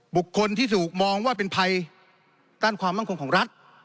บุคคลที่ถูกมองว่าเป็นภัยด้านความมั่นคงของรัฐ